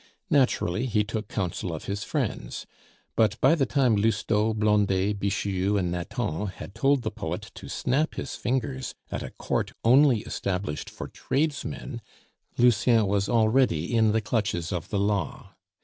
Naturally he took counsel of his friends. But by the time Lousteau, Blondet, Bixiou, and Nathan had told the poet to snap his fingers at a court only established for tradesmen, Lucien was already in the clutches of the law.